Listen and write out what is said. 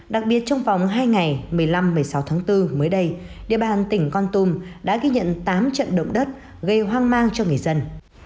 đặc biệt trong vòng hai ngày một mươi năm một mươi sáu tháng bốn mới đây địa bàn tỉnh con tum đã ghi nhận tám trận động đất gây hoang mang cho người dân